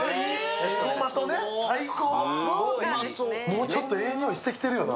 もうちょっとええ匂いしてきてるよな。